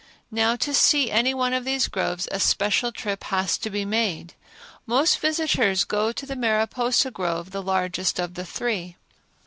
Now, to see any one of these groves, a special trip has to be made. Most visitors go to the Mariposa grove, the largest of the three.